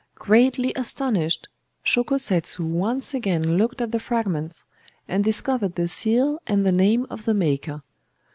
Greatly astonished, Shōko Setsu once again looked at the fragments, and discovered the seal and the name of the maker.